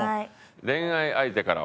恋愛相手からは？